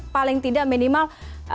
paling tidak minimal